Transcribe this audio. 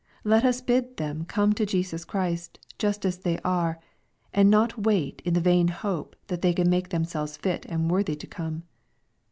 Let us bid them come to Jesus Christ, just as they are, and not wait in the vain hope that they can make themselves fit and worthy to come.